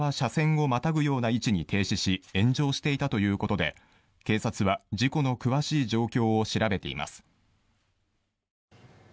車は車線をまたぐような位置に停止し炎上していたということで警察は事故の詳しい状況を調べています。